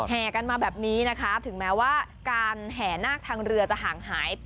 กันมาแบบนี้นะคะถึงแม้ว่าการแห่นาคทางเรือจะห่างหาย